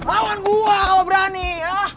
awan gua kau berani ya